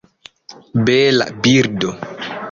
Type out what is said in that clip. Bela birdo!